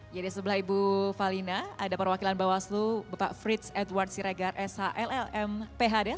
ya dari sebelah ibu valina ada perwakilan bawaslu bapak frits edward siregar shlm phd